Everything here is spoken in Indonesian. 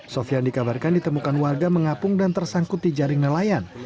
sofian dikabarkan ditemukan warga mengapung dan tersangkuti jaring nelayan